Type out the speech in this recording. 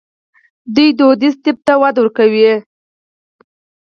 دوی دودیز طب ته وده ورکوي.